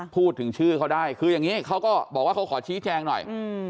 พูดถึงชื่อเขาได้คืออย่างนี้เขาก็บอกว่าเขาขอชี้แจงหน่อย